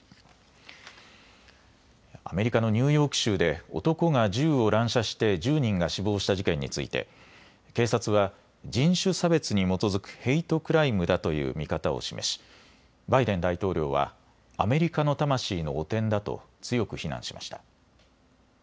アメリカのニューヨーク州で男が銃を乱射して１０人が死亡した事件について警察は人種差別に基づくヘイトクライムだという見方を示しバイデン大統領はアメリカの魂の汚点だと強く非難しました。